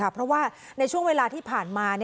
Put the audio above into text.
เพราะว่าในช่วงเวลาที่ผ่านมา